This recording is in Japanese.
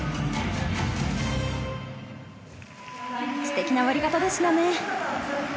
ステキな終わり方でしたね。